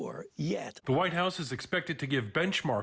pembangunan white house diharapkan memberikan bencmark